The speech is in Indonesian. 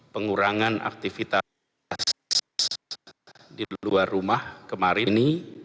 pengurangan aktivitas di luar rumah kemarin ini